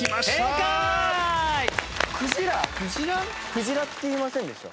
クジラって言いませんでした？